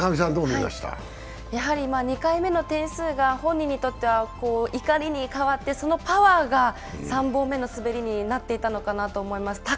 やはり２回目の点数が本人にとっては怒りに変わってそのパワーが３本目の滑りになっていたのかなと思います。